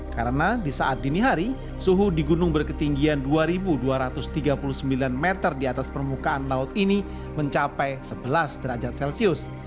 karena di saat dini hari suhu di gunung berketinggian dua ribu dua ratus tiga puluh sembilan meter di atas permukaan laut ini mencapai sebelas derajat celcius